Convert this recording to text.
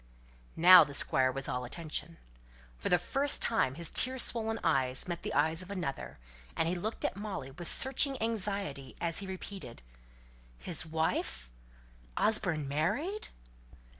'" Now the Squire was all attention; for the first time his tear swollen eyes met the eyes of another, and he looked at Molly with searching anxiety, as he repeated, "His wife! Osborne married!"